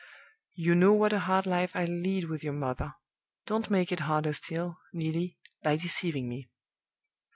'You know what a hard life I lead with your mother; don't make it harder still, Neelie, by deceiving me.